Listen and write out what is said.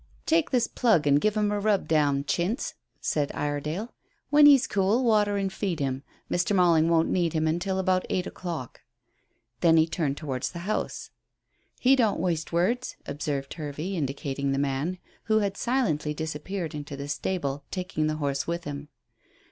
"Take this plug and give him a rub down, Chintz," said Iredale. "When he's cool, water and feed him. Mr. Malling won't need him until about eight o'clock." Then he turned towards the house. "He don't waste words," observed Hervey, indicating the man, who had silently disappeared into the stable, taking the horse with him.